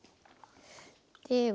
では。